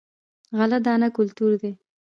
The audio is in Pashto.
غله دانه کلتور دی.